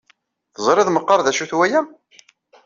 Teẓriḍ meqqar d acu-t waya?